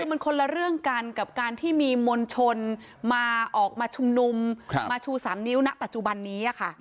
คือมันคนละเรื่องกันกับการที่มีมวลชนมาออกมาชุมนุมมาชู๓นิ้วณปัจจุบันนี้ค่ะ